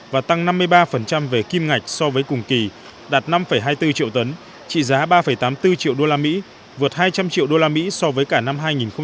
và tăng năm mươi ba về kim ngạch so với cùng kỳ đạt năm hai mươi bốn triệu tấn trị giá ba tám mươi bốn triệu usd vượt hai trăm linh triệu usd so với cả năm hai nghìn một mươi tám